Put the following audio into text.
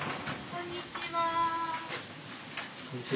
こんにちは。